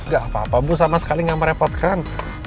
gak apa apa bu sama sekali nggak merepotkan